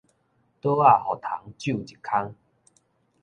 桌仔予蟲蛀一空